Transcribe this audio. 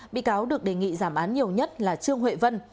bị cáo được đề nghị giảm án nhiều nhất là trương huệ vân